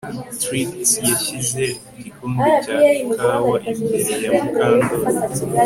Trix yashyize igikombe cya kawa imbere ya Mukandoli